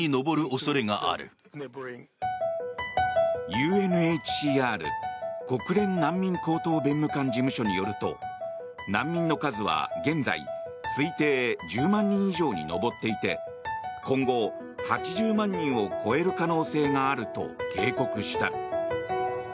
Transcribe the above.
ＵＮＨＣＲ・国連難民高等弁務官事務所によると難民の数は現在推定１０万人以上に上っていて今後、８０万人を超える可能性があると警告した。